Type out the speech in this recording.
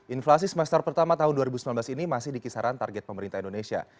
inflasi semester pertama tahun dua ribu sembilan belas ini masih di kisaran target pemerintah indonesia